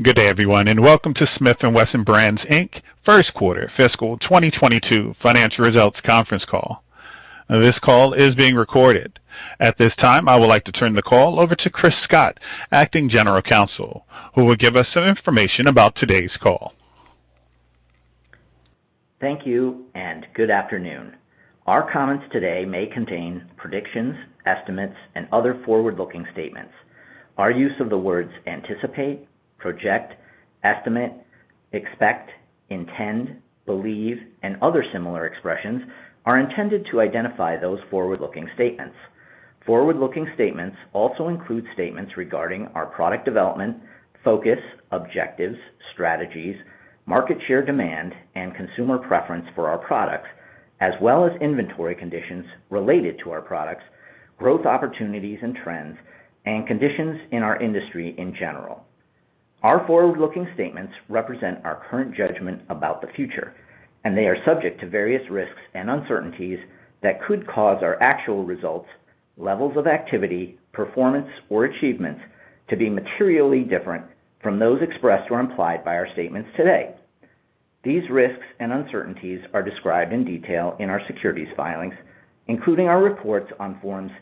Good day, everyone, and welcome to Smith & Wesson Brands Inc. First quarter fiscal 2022 financial results conference call. This call is being recorded. At this time, I would like to turn the call over to Chris Scott, Acting General Counsel, who will give us some information about today's call. Thank you, and good afternoon. Our comments today may contain predictions, estimates, and other forward-looking statements. Our use of the words anticipate, project, estimate, expect, intend, believe, and other similar expressions are intended to identify those forward-looking statements. Forward-looking statements also include statements regarding our product development, focus, objectives, strategies, market share demand, and consumer preference for our products, as well as inventory conditions related to our products, growth opportunities and trends, and conditions in our industry in general. Our forward-looking statements represent our current judgment about the future, and they are subject to various risks and uncertainties that could cause our actual results, levels of activity, performance, or achievements to be materially different from those expressed or implied by our statements today. These risks and uncertainties are described in detail in our securities filings, including our reports on Forms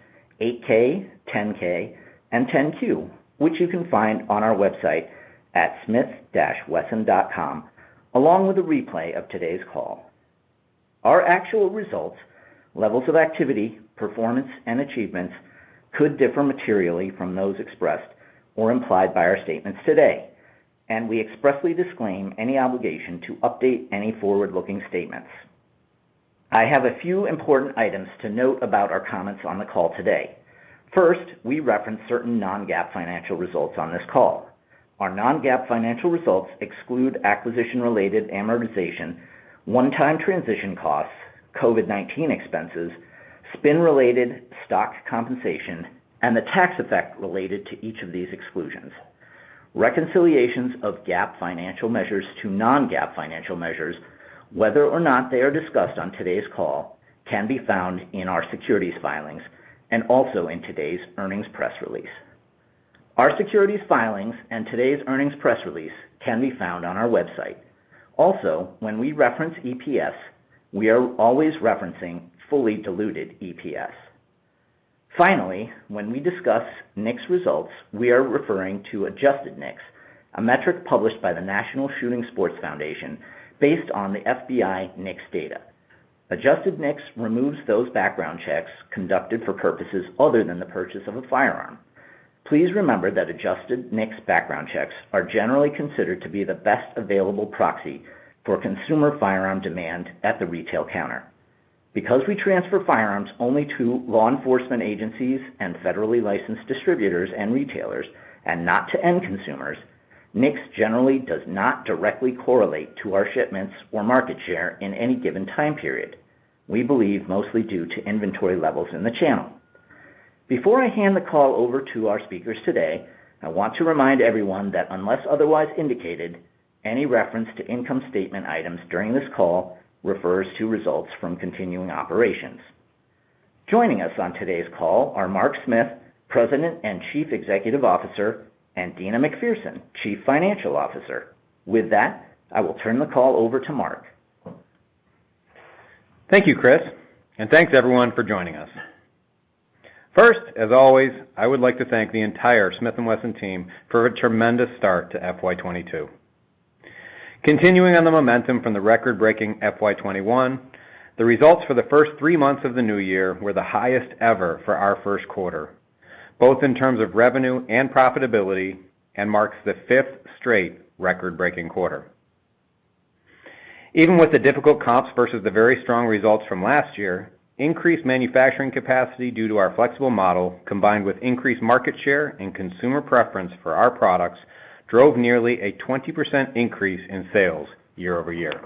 8-K, 10-K, and 10-Q, which you can find on our website at smith-wesson.com, along with a replay of today's call. Our actual results, levels of activity, performance, and achievements could differ materially from those expressed or implied by our statements today, and we expressly disclaim any obligation to update any forward-looking statements. I have a few important items to note about our comments on the call today. First, we reference certain non-GAAP financial results on this call. Our non-GAAP financial results exclude acquisition-related amortization, one-time transition costs, COVID-19 expenses, spin-related stock compensation, and the tax effect related to each of these exclusions. Reconciliations of GAAP financial measures to non-GAAP financial measures, whether or not they are discussed on today's call, can be found in our securities filings and also in today's earnings press release. Our securities filings and today's earnings press release can be found on our website. Also, when we reference EPS, we are always referencing fully diluted EPS. Finally, when we discuss NICS results, we are referring to adjusted NICS, a metric published by the National Shooting Sports Foundation based on the FBI NICS data. Adjusted NICS removes those background checks conducted for purposes other than the purchase of a firearm. Please remember that adjusted NICS background checks are generally considered to be the best available proxy for consumer firearm demand at the retail counter. Because we transfer firearms only to law enforcement agencies, and federally licensed distributors and retailers and not to end consumers, NICS generally does not directly correlate to our shipments or market share in any given time period, we believe mostly due to inventory levels in the channel. Before I hand the call over to our speakers today, I want to remind everyone that unless otherwise indicated, any reference to income statement items during this call refers to results from continuing operations. Joining us on today's call are Mark Smith, President and Chief Executive Officer, and Deana McPherson, Chief Financial Officer. With that, I will turn the call over to Mark. Thank you, Chris, and thanks everyone for joining us. First, as always, I would like to thank the entire Smith & Wesson team for a tremendous start to FY 2022. Continuing on the momentum from the record-breaking FY 2021, the results for the first three months of the new year were the highest ever for our first quarter, both in terms of revenue and profitability, and marks the fifth straight record-breaking quarter. Even with the difficult comps versus the very strong results from last year, increased manufacturing capacity due to our flexible model, combined with increased market share and consumer preference for our products, drove nearly a 20% increase in sales year-over-year.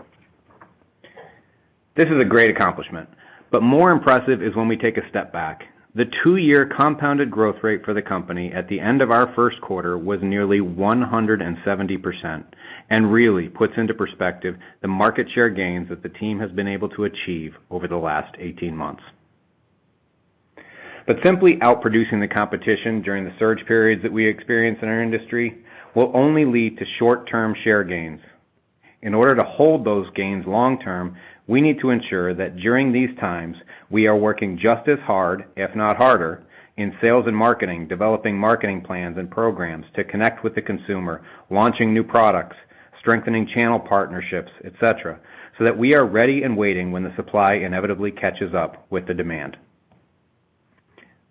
This is a great accomplishment, but more impressive is when we take a step back. The two-year compounded growth rate for the company at the end of our first quarter was nearly 170% and really puts into perspective the market share gains that the team has been able to achieve over the last 18 months. Simply outproducing the competition during the surge periods that we experience in our industry will only lead to short-term share gains. In order to hold those gains long-term, we need to ensure that during these times, we are working just as hard, if not harder, in sales and marketing, developing marketing plans and programs to connect with the consumer, launching new products, strengthening channel partnerships, et cetera, so that we are ready and waiting when the supply inevitably catches up with the demand.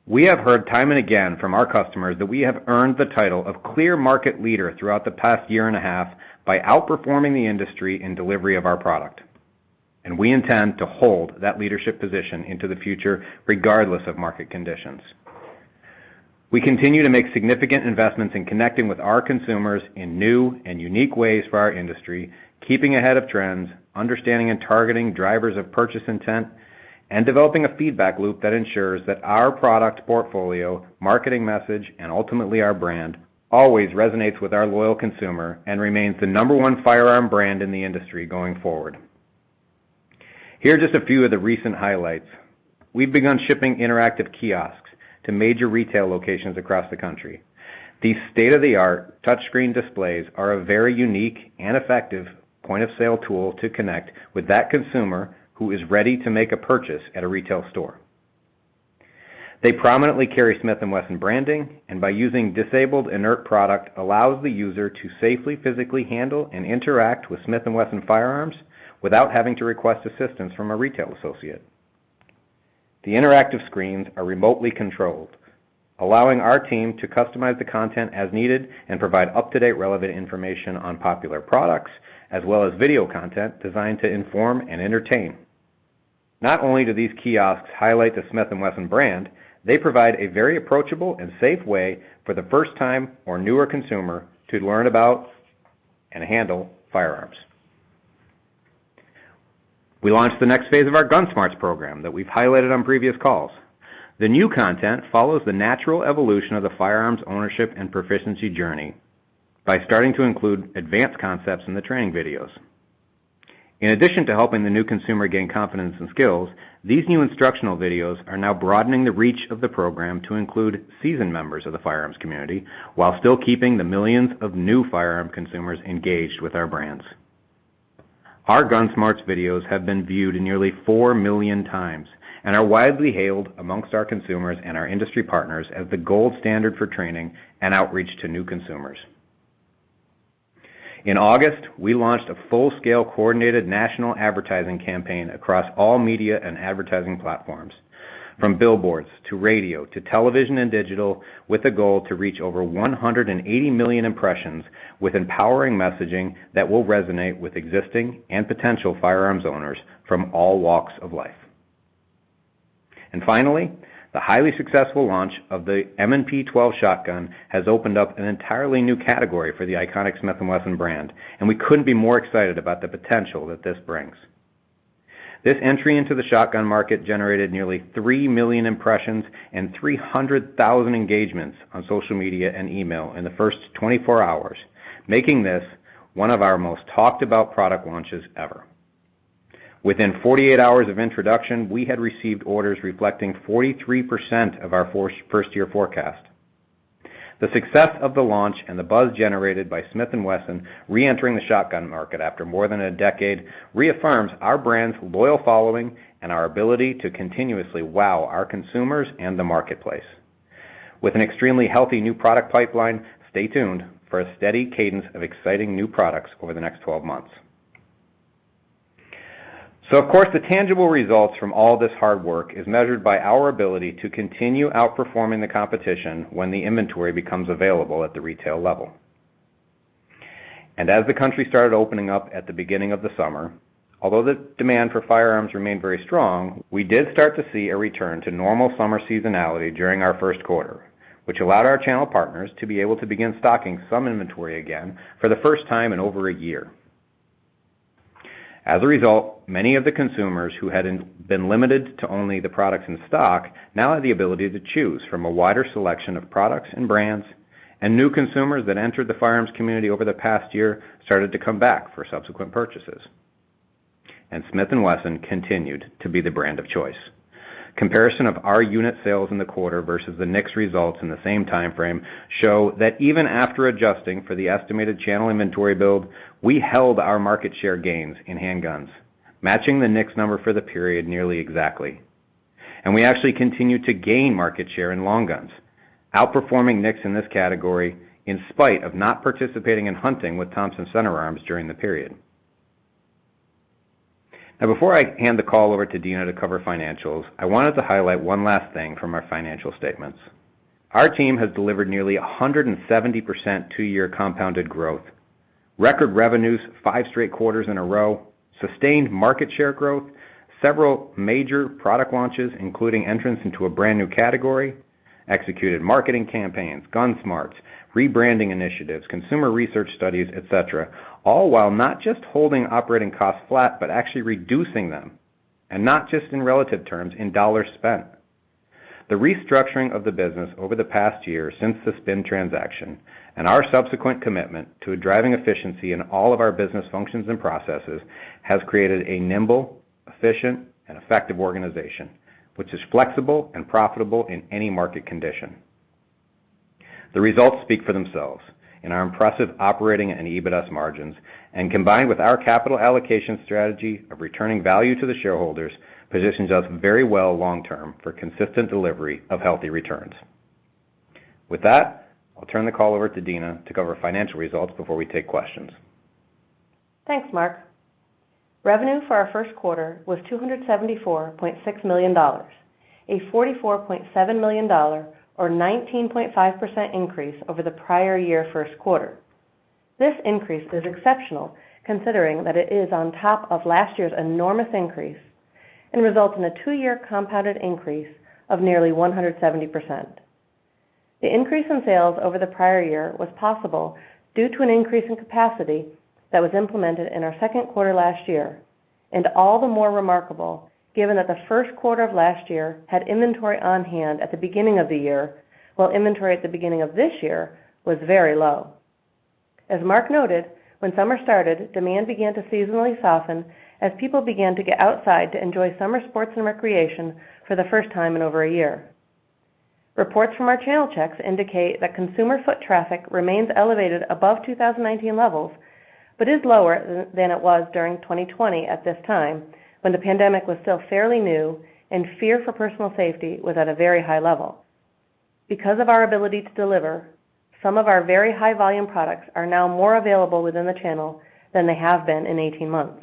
We have heard time and again from our customers that we have earned the title of clear market leader throughout the past year and a half by outperforming the industry in delivery of our product, and we intend to hold that leadership position into the future regardless of market conditions. We continue to make significant investments in connecting with our consumers in new and unique ways for our industry, keeping ahead of trends, understanding and targeting drivers of purchase intent, and developing a feedback loop that ensures that our product portfolio, marketing message, and ultimately our brand always resonates with our loyal consumer and remains the number one firearm brand in the industry going forward. Here are just a few of the recent highlights. We've begun shipping interactive kiosks to major retail locations across the country. These state-of-the-art touchscreen displays are a very unique and effective point-of-sale tool to connect with that consumer who is ready to make a purchase at a retail store. They prominently carry Smith & Wesson branding, and by using disabled, inert product, allows the user to safely physically handle and interact with Smith & Wesson firearms without having to request assistance from a retail associate. The interactive screens are remotely controlled, allowing our team to customize the content as needed and provide up-to-date, relevant information on popular products, as well as video content designed to inform and entertain. Not only do these kiosks highlight the Smith & Wesson brand, they provide a very approachable and safe way for the first time or newer consumer to learn about and handle firearms. We launched the next phase of our GUNSMARTS program that we've highlighted on previous calls. The new content follows the natural evolution of the firearms ownership and proficiency journey by starting to include advanced concepts in the training videos. In addition to helping the new consumer gain confidence and skills, these new instructional videos are now broadening the reach of the program to include seasoned members of the firearms community, while still keeping the millions of new firearm consumers engaged with our brands. Our GUNSMARTS videos have been viewed nearly four million times and are widely hailed amongst our consumers and our industry partners as the gold standard for training and outreach to new consumers. In August, we launched a full-scale coordinated national advertising campaign across all media and advertising platforms, from billboards to radio to television and digital, with a goal to reach over 180 million impressions with empowering messaging that will resonate with existing and potential firearms owners from all walks of life. Finally, the highly successful launch of the M&P12 shotgun has opened up an entirely new category for the iconic Smith & Wesson brand, and we couldn't be more excited about the potential that this brings. This entry into the shotgun market generated nearly three million impressions and 300,000 engagements on social media and email in the first 24 hours, making this one of our most talked-about product launches ever. Within 48 hours of introduction, we had received orders reflecting 43% of our first-year forecast. The success of the launch and the buzz generated by Smith & Wesson re-entering the shotgun market after more than a decade reaffirms our brand's loyal following and our ability to continuously wow our consumers and the marketplace. With an extremely healthy new product pipeline, stay tuned for a steady cadence of exciting new products over the next 12 months. Of course, the tangible results from all this hard work is measured by our ability to continue outperforming the competition when the inventory becomes available at the retail level. As the country started opening up at the beginning of the summer, although the demand for firearms remained very strong, we did start to see a return to normal summer seasonality during our first quarter, which allowed our channel partners to be able to begin stocking some inventory again for the first time in over a year. As a result, many of the consumers who had been limited to only the products in stock now have the ability to choose from a wider selection of products and brands, and new consumers that entered the firearms community over the past year started to come back for subsequent purchases. Smith & Wesson continued to be the brand of choice. Comparison of our unit sales in the quarter versus the NICS results in the same time frame show that even after adjusting for the estimated channel inventory build, we held our market share gains in handguns, matching the NICS number for the period nearly exactly. We actually continued to gain market share in long guns, outperforming NICS in this category in spite of not participating in hunting with Thompson/Center Arms during the period. Before I hand the call over to Deana to cover financials, I wanted to highlight one last thing from our financial statements. Our team has delivered nearly 170% two-year compounded growth, record revenues five straight quarters in a row, sustained market share growth, several major product launches, including entrance into a brand-new category, executed marketing campaigns, GUNSMARTS, rebranding initiatives, consumer research studies, et cetera, all while not just holding operating costs flat, but actually reducing them, and not just in relative terms, in dollars spent. The restructuring of the business over the past year since the spin transaction and our subsequent commitment to driving efficiency in all of our business functions and processes has created a nimble, efficient, and effective organization, which is flexible and profitable in any market condition. The results speak for themselves in our impressive operating and EBITDA margins, and combined with our capital allocation strategy of returning value to the shareholders, positions us very well long term for consistent delivery of healthy returns. With that, I'll turn the call over to Deana to cover financial results before we take questions. Thanks, Mark. Revenue for our first quarter was $274.6 million, a $44.7 million or 19.5% increase over the prior year first quarter. This increase is exceptional considering that it is on top of last year's enormous increase and results in a two-year compounded increase of nearly 170%. The increase in sales over the prior year was possible due to an increase in capacity that was implemented in our second quarter last year, and all the more remarkable given that the first quarter of last year had inventory on hand at the beginning of the year, while inventory at the beginning of this year was very low. As Mark noted, when summer started, demand began to seasonally soften as people began to get outside to enjoy summer sports and recreation for the first time in over a year. Reports from our channel checks indicate that consumer foot traffic remains elevated above 2019 levels, but is lower than it was during 2020 at this time, when the pandemic was still fairly new and fear for personal safety was at a very high level. Because of our ability to deliver, some of our very high volume products are now more available within the channel than they have been in 18 months.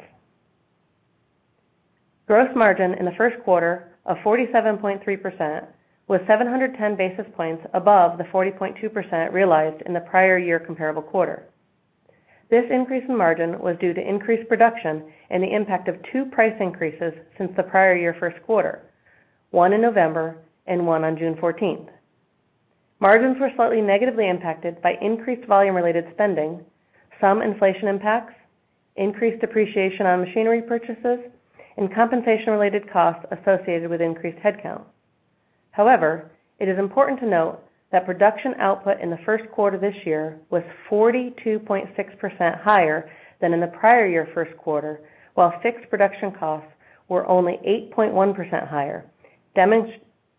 Gross margin in the first quarter of 47.3%, was 710 basis points above the 40.2% realized in the prior year comparable quarter. This increase in margin was due to increased production and the impact of two price increases since the prior year first quarter, one in November and one on June 14th. Margins were slightly negatively impacted by increased volume-related spending, some inflation impacts, increased depreciation on machinery purchases, and compensation-related costs associated with increased headcount. However, it is important to note that production output in the first quarter this year was 42.6% higher than in the prior year first quarter, while fixed production costs were only 8.1% higher,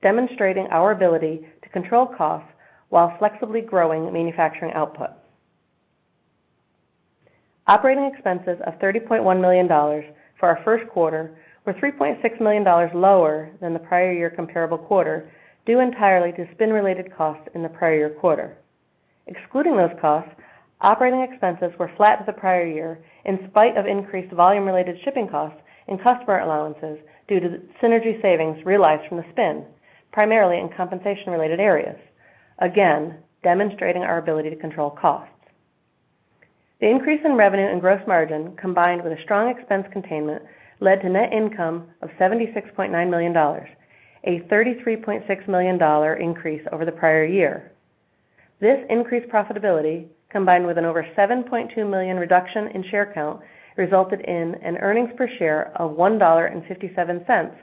demonstrating our ability to control costs while flexibly growing manufacturing output. Operating expenses of $30.1 million for our first quarter were $3.6 million lower than the prior year comparable quarter, due entirely to spin-related costs in the prior year quarter. Excluding those costs, operating expenses were flat to the prior year, in spite of increased volume-related shipping costs and customer allowances due to synergy savings realized from the spin, primarily in compensation-related areas, again, demonstrating our ability to control costs. The increase in revenue and gross margin, combined with a strong expense containment, led to net income of $76.9 million, a $33.6 million increase over the prior year. This increased profitability, combined with an over 7.2 million reduction in share count, resulted in an earnings per share of $1.57,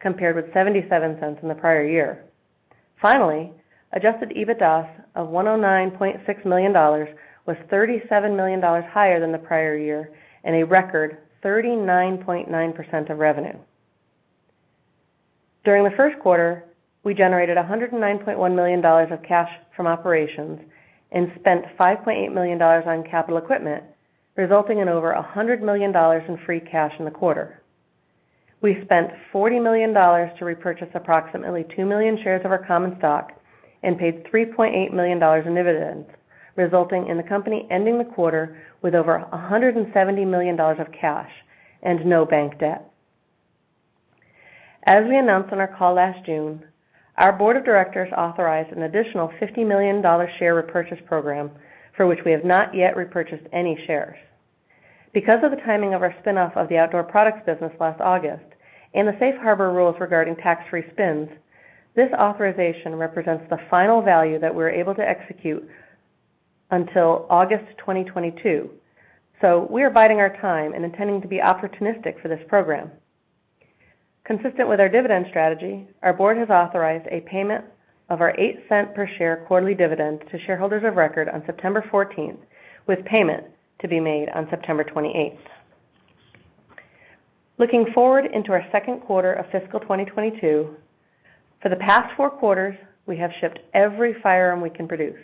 compared with $0.77 in the prior year. Adjusted EBITDA of $109.6 million was $37 million higher than the prior year and a record 39.9% of revenue. During the first quarter, we generated $109.1 million of cash from operations and spent $5.8 million on capital equipment, resulting in over $100 million in free cash in the quarter. We spent $40 million to repurchase approximately two million shares of our common stock and paid $3.8 million in dividends, resulting in the company ending the quarter with over $170 million of cash and no bank debt. As we announced on our call last June, our board of directors authorized an additional $50 million share repurchase program, for which we have not yet repurchased any shares. Because of the timing of our spinoff of the outdoor products business last August and the safe harbor rules regarding tax-free spins, this authorization represents the final value that we're able to execute until August 2022. We are biding our time and intending to be opportunistic for this program. Consistent with our dividend strategy, our board has authorized a payment of our $0.08 per share quarterly dividend to shareholders of record on September 14th, with payment to be made on September 28th. Looking forward into our second quarter of fiscal 2022, for the past four quarters, we have shipped every firearm we can produce.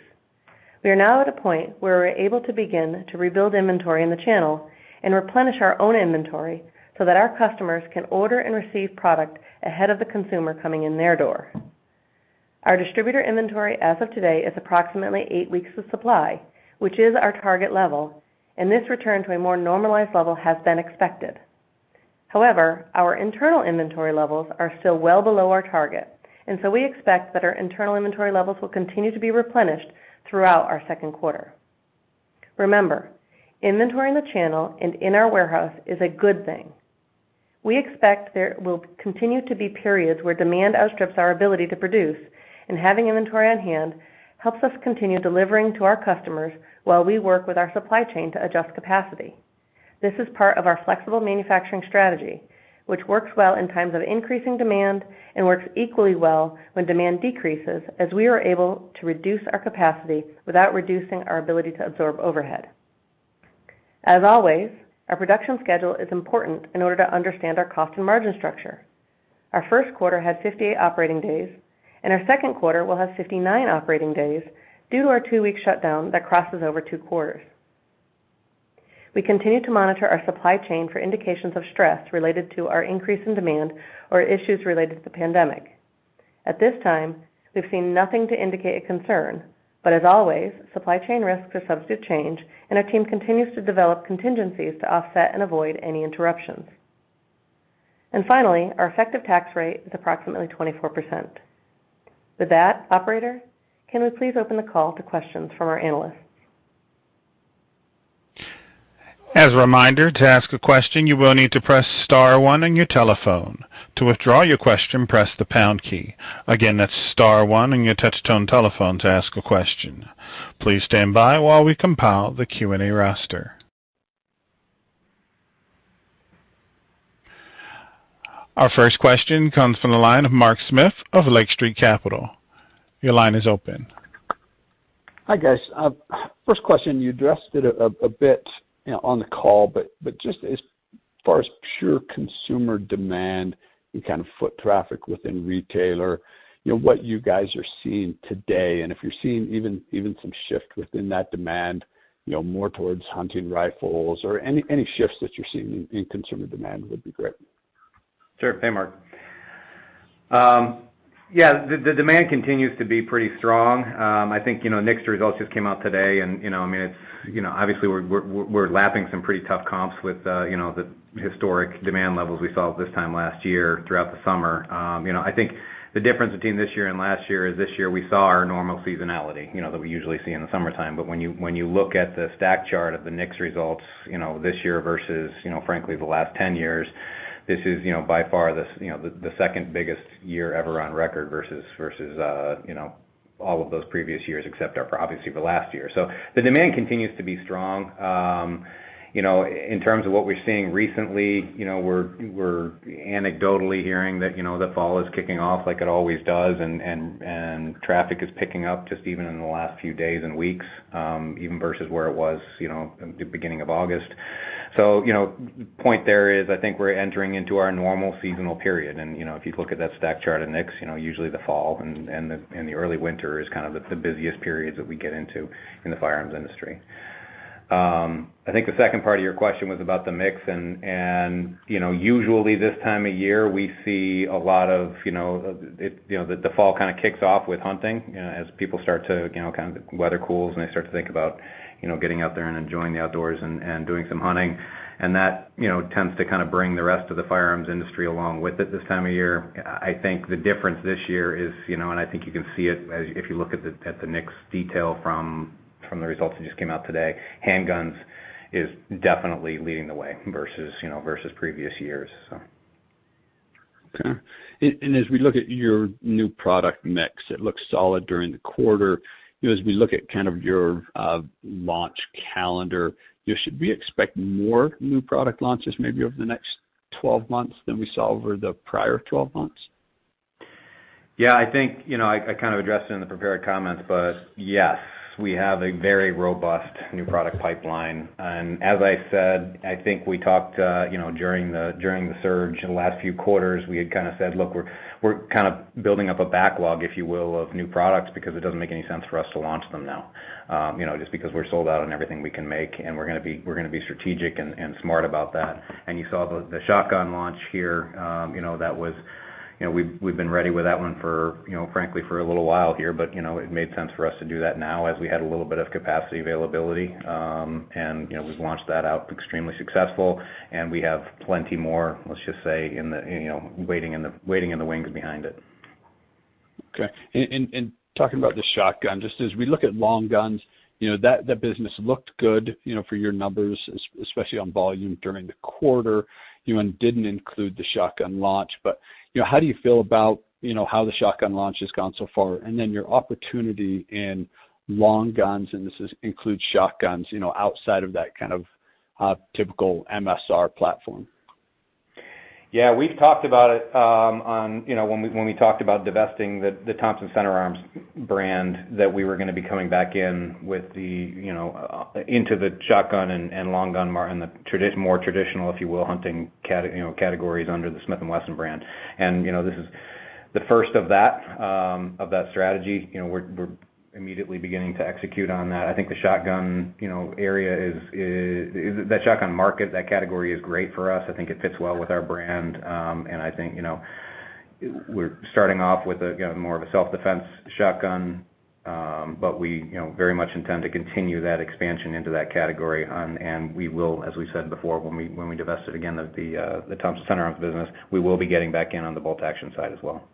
We are now at a point where we're able to begin to rebuild inventory in the channel and replenish our own inventory so that our customers can order and receive product ahead of the consumer coming in their door. Our distributor inventory as of today is approximately eight weeks of supply, which is our target level, and this return to a more normalized level has been expected. However, our internal inventory levels are still well below our target, and so we expect that our internal inventory levels will continue to be replenished throughout our second quarter. Remember, inventory in the channel and in our warehouse is a good thing. We expect there will continue to be periods where demand outstrips our ability to produce, and having inventory on hand helps us continue delivering to our customers while we work with our supply chain to adjust capacity. This is part of our flexible manufacturing strategy, which works well in times of increasing demand and works equally well when demand decreases, as we are able to reduce our capacity without reducing our ability to absorb overhead. As always, our production schedule is important in order to understand our cost and margin structure. Our first quarter had 58 operating days, and our second quarter will have 59 operating days due to our two-week shutdown that crosses over two quarters. We continue to monitor our supply chain for indications of stress related to our increase in demand or issues related to the pandemic. At this time, we've seen nothing to indicate a concern, but as always, supply chain risks are subject to change and our team continues to develop contingencies to offset and avoid any interruptions. Finally, our effective tax rate is approximately 24%. With that, operator, can we please open the call to questions from our analysts? Our first question comes from the line of Mark Smith of Lake Street Capital. Hi, guys. First question, you addressed it a bit on the call, but just as far as pure consumer demand and kind of foot traffic within retailer, what you guys are seeing today, and if you're seeing even some shift within that demand, more towards hunting rifles or any shifts that you're seeing in consumer demand would be great. Sure thing, Mark. Yeah. The demand continues to be pretty strong. I think, NICS results just came out today. Obviously, we're lapping some pretty tough comps with the historic demand levels we saw this time last year, throughout the summer. I think the difference between this year and last year is this year we saw our normal seasonality, that we usually see in the summertime. When you look at the stack chart of the NICS results this year versus frankly the last 10 years, this is by far the second biggest year ever on record versus all of those previous years, except for obviously the last year. The demand continues to be strong. In terms of what we're seeing recently, we're anecdotally hearing that fall is kicking off like it always does, and traffic is picking up just even in the last few days and weeks, even versus where it was the beginning of August. Point there is, I think we're entering into our normal seasonal period, and if you look at that stack chart of NICS, usually the fall and the early winter is kind of the busiest periods that we get into in the firearms industry. I think the second part of your question was about the mix, and usually this time of year, we see a lot of the fall kind of kicks off with hunting, as people start to, kind of weather cools, and they start to think about getting out there and enjoying the outdoors and doing some hunting. That tends to kind of bring the rest of the firearms industry along with it this time of year. I think the difference this year is, and I think you can see it if you look at the NICS detail from the results that just came out today, handguns is definitely leading the way versus previous years. Okay. As we look at your new product mix, it looks solid during the quarter. As we look at kind of your launch calendar, should we expect more new product launches, maybe over the next 12 months than we saw over the prior 12 months? Yeah, I think I kind of addressed it in the prepared comments, but yes, we have a very robust new product pipeline. As I said, I think we talked during the surge in the last few quarters, we had kind of said, "Look, we're kind of building up a backlog, if you will, of new products, because it doesn't make any sense for us to launch them now. Just because we're sold out on everything we can make, and we're going to be strategic and smart about that." You saw the shotgun launch here, we've been ready with that one frankly for a little while here, but it made sense for us to do that now as we had a little bit of capacity availability. We've launched that out extremely successful, and we have plenty more, let's just say, waiting in the wings behind it. Okay. Talking about the shotgun, just as we look at long guns, that business looked good for your numbers, especially on volume during the quarter, and didn't include the shotgun launch. How do you feel about how the shotgun launch has gone so far, and then your opportunity in long guns, and this includes shotguns, outside of that kind of typical MSR platform? Yeah. We've talked about it when we talked about divesting the Thompson/Center Arms brand, that we were going to be coming back into the shotgun and long gun market, and the more traditional, if you will, hunting categories under the Smith & Wesson brand. This is the first of that strategy. We're immediately beginning to execute on that. I think that shotgun market, that category is great for us. I think it fits well with our brand. I think we're starting off with more of a self-defense shotgun. We very much intend to continue that expansion into that category. We will, as we said before, when we divested again the Thompson/Center Arms business, we will be getting back in on the bolt-action side as well.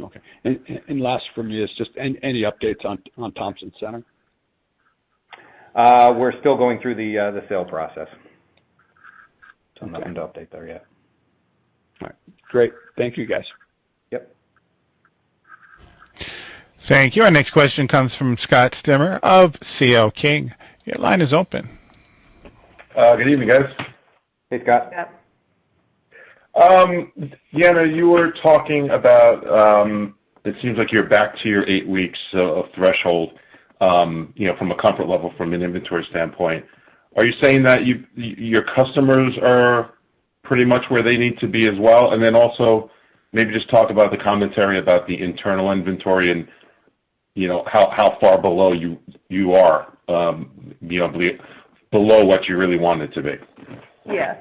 Okay. Last from me is just, any updates on Thompson/Center? We're still going through the sale process. Okay. Nothing to update there yet. All right. Great. Thank you, guys. Yep. Thank you. Our next question comes from Scott Stember of CL King. Your line is open. Good evening, guys. Hey, Scott. Yep. Deana, you were talking about, it seems like you're back to your eight weeks of threshold, from a comfort level, from an inventory standpoint. Are you saying that your customers are pretty much where they need to be as well? Also, maybe just talk about the commentary about the internal inventory and how far below you are, below what you really want it to be. Yeah.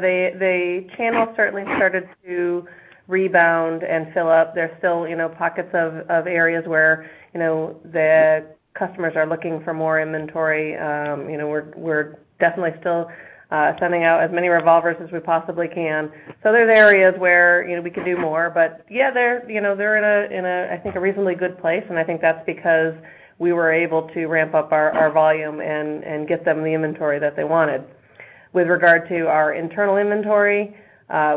The channel certainly started to rebound and fill up. There's still pockets of areas where the customers are looking for more inventory. We're definitely still sending out as many revolvers as we possibly can. There's areas where we could do more, but yeah, they're in a, I think, a reasonably good place, and I think that's because we were able to ramp up our volume and get them the inventory that they wanted. With regard to our internal inventory,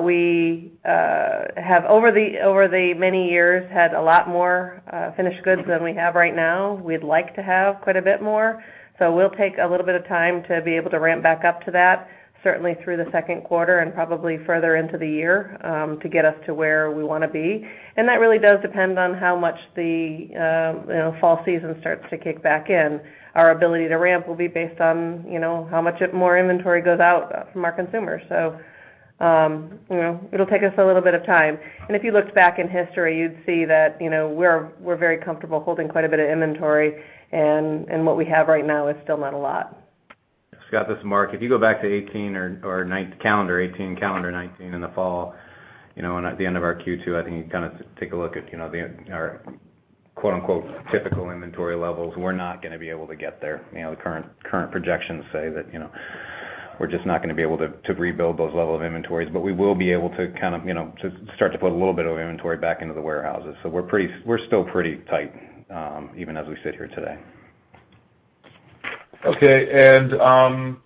we have over the many years had a lot more finished goods than we have right now. We'd like to have quite a bit more. We'll take a little bit of time to be able to ramp back up to that, certainly through the second quarter and probably further into the year, to get us to where we want to be. That really does depend on how much the fall season starts to kick back in. Our ability to ramp will be based on how much more inventory goes out from our consumers. It'll take us a little bit of time. If you looked back in history, you'd see that we're very comfortable holding quite a bit of inventory, and what we have right now is still not a lot. Scott, this is Mark. If you go back to 2018 or calendar 2019 in the fall, and at the end of our Q2, I think you take a look at our quote-unquote, typical inventory levels, we're not going to be able to get there. The current projections say that we're just not going to be able to rebuild those level of inventories, but we will be able to start to put a little bit of inventory back into the warehouses. We're still pretty tight, even as we sit here today. Okay,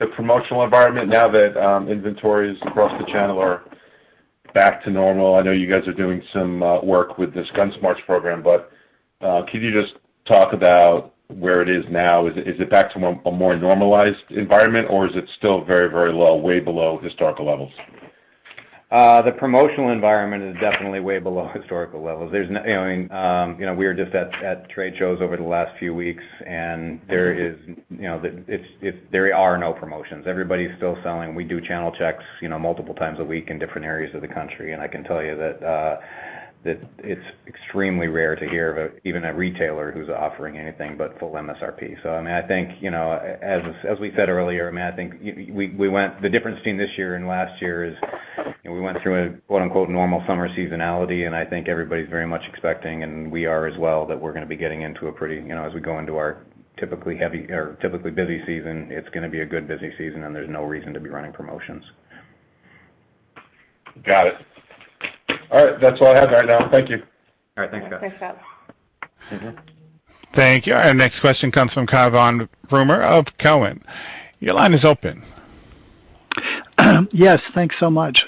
the promotional environment now that inventories across the channel are back to normal. I know you guys are doing some work with this GUNSMARTS program, but can you just talk about where it is now? Is it back to a more normalized environment or is it still very low, way below historical levels? The promotional environment is definitely way below historical levels. We were just at trade shows over the last few weeks, and there are no promotions. Everybody's still selling. We do channel checks multiple times a week in different areas of the country, and I can tell you that it's extremely rare to hear about even a retailer who's offering anything but full MSRP. I think, as we said earlier, the difference between this year and last year is we went through a quote-unquote, "normal summer seasonality," and I think everybody's very much expecting, and we are as well, that we're going to be getting into a pretty, as we go into our typically busy season, it's going to be a good busy season, and there's no reason to be running promotions. Got it. All right. That's all I have right now. Thank you. All right. Thanks, Scott. Yeah, thanks, Scott. Thank you. Our next question comes from Cai von Rumohr of Cowen. Your line is open. Yes, thanks so much.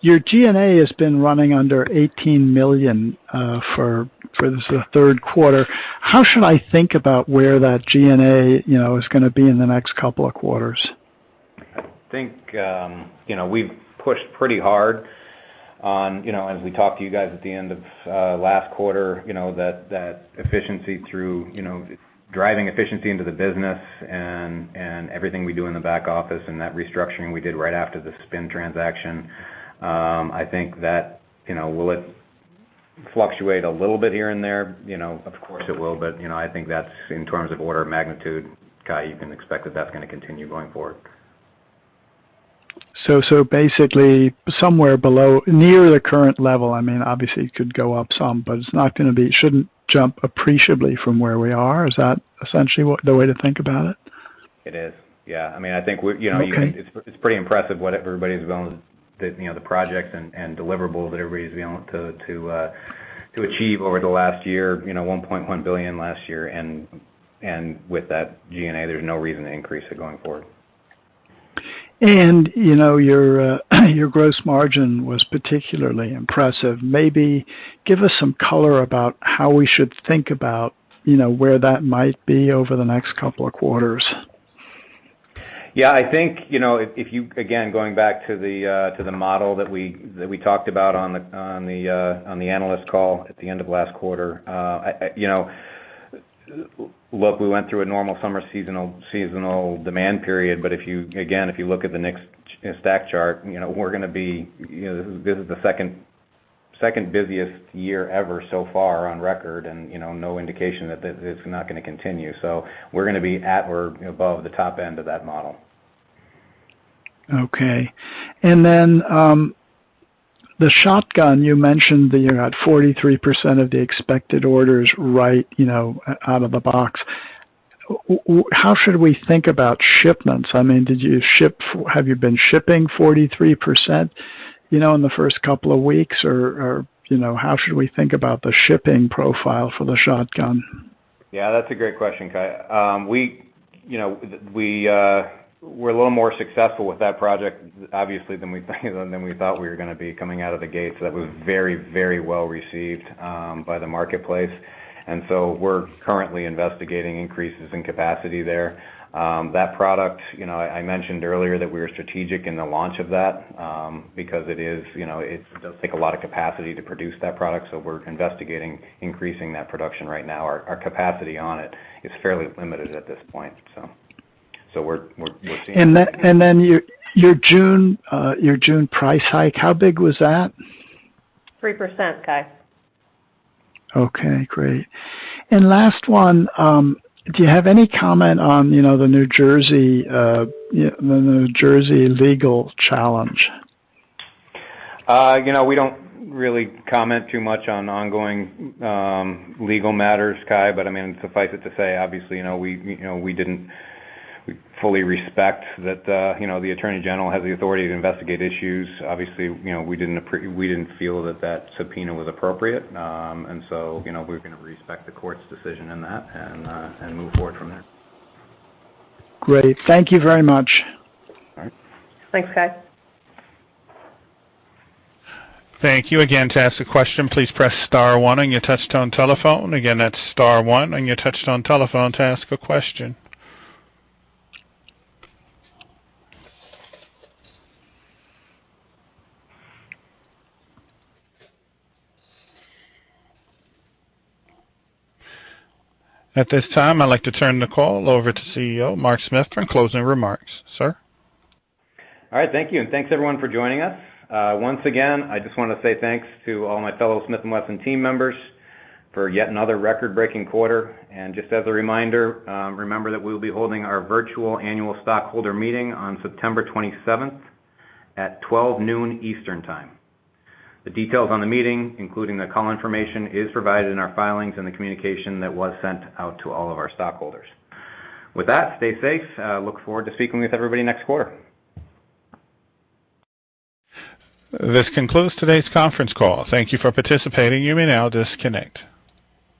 Your G&A has been running under $18 million for this third quarter. How should I think about where that G&A is going to be in the next couple of quarters? I think, we've pushed pretty hard on, as we talked to you guys at the end of last quarter, that efficiency through driving efficiency into the business and everything we do in the back office and that restructuring we did right after the spin transaction. I think that, will it fluctuate a little bit here and there? Of course it will, but I think that's in terms of order of magnitude, Cai, you can expect that that's going to continue going forward. Basically, somewhere below, near the current level. Obviously, it could go up some, but it shouldn't jump appreciably from where we are. Is that essentially the way to think about it? It is, yeah. Okay it's pretty impressive what everybody's been on with the projects and deliverables that everybody's been able to achieve over the last year, $1.1 billion last year, and with that G&A, there's no reason to increase it going forward. Your gross margin was particularly impressive. Maybe give us some color about how we should think about where that might be over the next couple of quarters. Yeah, I think, again, going back to the model that we talked about on the analyst call at the end of last quarter. Look, we went through a normal summer seasonal demand period, but again, if you look at the next stack chart, this is the second busiest year ever so far on record, and no indication that it's not going to continue. We're going to be at or above the top end of that model. Okay. The shotgun, you mentioned that you're at 43% of the expected orders right out of the box. How should we think about shipments? Have you been shipping 43% in the first couple of weeks, or how should we think about the shipping profile for the shotgun? Yeah, that's a great question, Cai. We're a little more successful with that project, obviously, than we thought we were going to be coming out of the gate. That was very well received by the marketplace. We're currently investigating increases in capacity there. That product, I mentioned earlier that we were strategic in the launch of that, because it does take a lot of capacity to produce that product. We're investigating increasing that production right now. Our capacity on it is fairly limited at this point. Your June price hike, how big was that? 3%, Cai. Okay, great. Last one, do you have any comment on the New Jersey legal challenge? We don't really comment too much on ongoing legal matters, Cai. Suffice it to say, obviously, we fully respect that the Attorney General has the authority to investigate issues. Obviously, we didn't feel that that subpoena was appropriate. We're going to respect the court's decision in that and move forward from there. Great. Thank you very much. All right. Thanks, Cai. Thank you. Again, to ask a question, please press star one on your touchtone telephone. Again, that's star one on your touchtone telephone to ask a question. At this time, I'd like to turn the call over to CEO Mark Smith for closing remarks. Sir? All right, thank you. Thanks everyone for joining us. Once again, I just want to say thanks to all my fellow Smith & Wesson team members for yet another record-breaking quarter. Just as a reminder, remember that we'll be holding our virtual annual stockholder meeting on September 27th at 12:00 P.M. Eastern Time. The details on the meeting, including the call information, is provided in our filings and the communication that was sent out to all of our stockholders. With that, stay safe. Look forward to speaking with everybody next quarter. This concludes today's conference call. Thank you for participating. You may now disconnect.